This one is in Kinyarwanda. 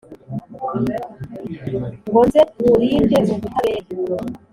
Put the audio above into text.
ngo nze nywurinde ubutabere,